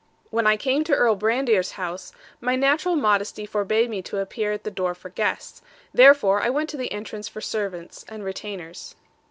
When I came to Earl Brandir's house, my natural modesty forbade me to appear at the door for guests; therefore I went to the entrance for servants and retainers.